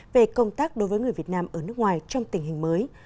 về công tác đối với người việt nam ở nước ngoài trong tình hình mới